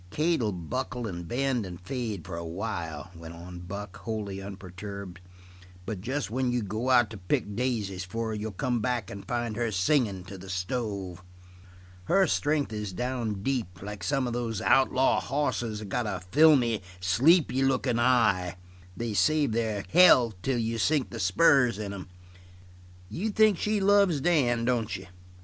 "Kate will buckle and bend and fade for a while," went on Buck, wholly unperturbed, "but just when you go out to pick daisies for her you'll come back and find her singing to the stove. Her strength is down deep, like some of these outlaw hosses that got a filmy, sleepy lookin' eye. They save their hell till you sink the spurs in 'em. You think she loves Dan, don't you?"